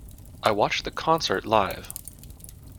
I watched the concert live.